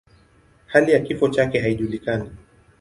Hali ya kifo chake haijulikani.